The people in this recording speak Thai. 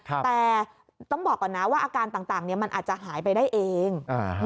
แต่ต้องบอกก่อนนะว่าอาการต่างมันอาจจะหายไปได้เอง